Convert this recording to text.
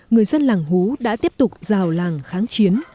người dân làng hú đã tiếp tục rào làng kháng chiến